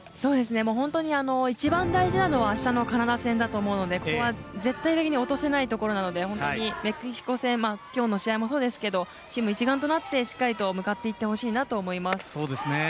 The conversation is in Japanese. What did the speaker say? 本当に一番大事なのはあしたのカナダ戦だと思うのでこれは絶対に落とせないところなのでメキシコ戦きょうの試合もそうですけどチーム、一丸となってしっかりと向かっていってほしいなと思います。